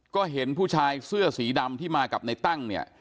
ก็เห็นผู้ชายเสื้อสีดำที่มากับในตั้งเนี่ย